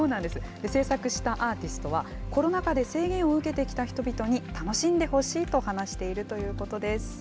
制作したアーティストは、コロナ禍で制限を受けてきた人々に楽しんでほしいと話しているということです。